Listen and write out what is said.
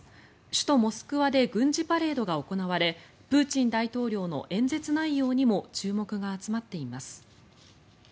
首都モスクワで軍事パレードが行われプーチン大統領の演説内容にも注目が集まっています。